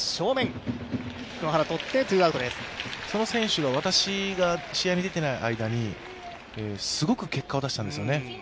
その選手が私が試合に出ていない間にすごく結果を出したんですよね。